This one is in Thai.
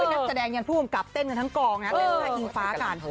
นัดแสดงอย่างผู้กำกับเต้นกันทั้งกองแล้วกับอิงฟ้ากัน